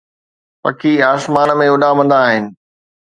پکي آسمان ۾ اڏامندا آهن